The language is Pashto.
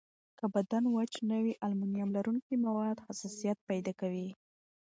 که بدن وچ نه وي، المونیم لرونکي مواد حساسیت پیدا کوي.